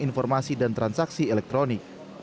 informasi dan transaksi elektronik